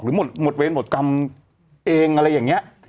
หมดเวรหมดกรรมเองอะไรอย่างนี้